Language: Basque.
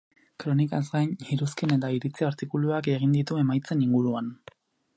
Kronikaz gain, iruzkin eta iritzi artikuluak egin ditu emaitzen inguruan.